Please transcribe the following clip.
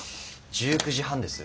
１９時半です。